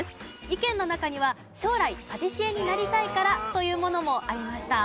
意見の中には将来パティシエになりたいからというものもありました。